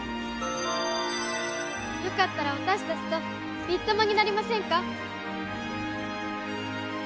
よかったら私たちとビッ友になりませんか？